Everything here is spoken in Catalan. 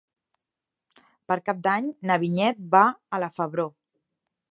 Per Cap d'Any na Vinyet va a la Febró.